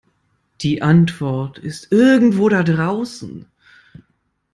Die Antwort ist irgendwo da draußen.